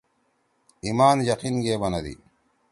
ایمان یقین گے بنَدی۔